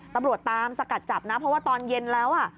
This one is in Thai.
ตำรวจตามสกัดจับนะเพราะว่าตอนเย็นแล้ว